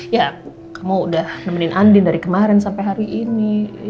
ya kamu udah nemenin andin dari kemarin sampai hari ini